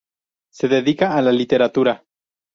Se dedica a la literatura.